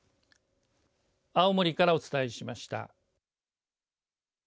青森からお伝えしました。